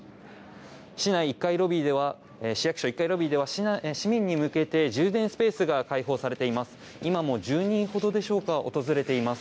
市役所１階ロビーでは市民に向けて充電スペースが開放されています。